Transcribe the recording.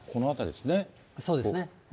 そうですね。